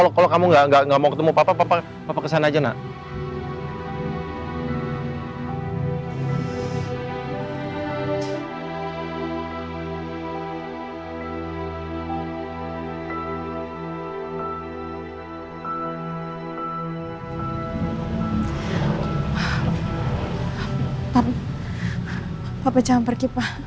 saat tuhan menutup shock